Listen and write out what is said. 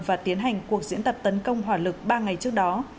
và tiến hành cuộc diễn tập tấn công hỏa lực ba ngày trước đó